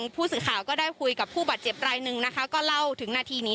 ผู้สื่อข่าวก็ได้คุยกับผู้บาดเจ็บรายหนึ่งนะคะก็เล่าถึงนาทีนี้